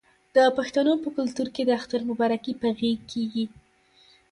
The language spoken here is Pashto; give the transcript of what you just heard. د پښتنو په کلتور کې د اختر مبارکي په غیږ کیږي.